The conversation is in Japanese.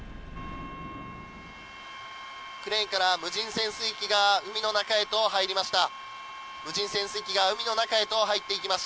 クレーンから無人潜水機が海の中へと入りました。